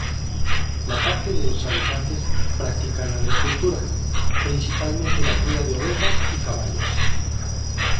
La parte de los habitantes practican agricultura, principalmente la cría de ovejas y caballos.